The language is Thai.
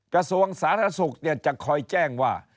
กระทรวงสาธารณสุขจะคอยแจ้งว่า